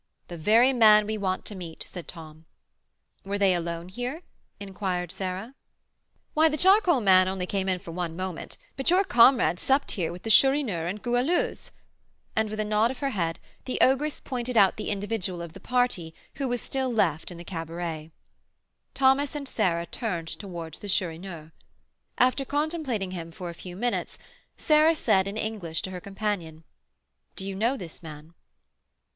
"The very man we want to meet," said Tom. "Were they alone here?" inquired Sarah. "Why, the charcoal man only came in for one moment; but your comrade supped here with the Chourineur and Goualeuse;" and with a nod of her head, the ogress pointed out the individual of the party who was left still in the cabaret. Thomas and Sarah turned towards the Chourineur. After contemplating him for a few minutes, Sarah said, in English, to her companion, "Do you know this man?"